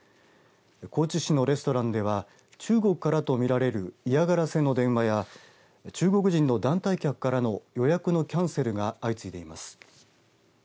高知市のレストランでは中国からと見られる嫌がらせの電話や中国人の団体客からの予約のキャンセルが相次いでいます。